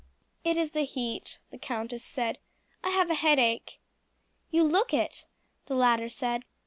"It is the heat," the countess said. "I have a headache." "You look it," the latter said.